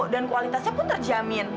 dan kualitasnya pun terjamin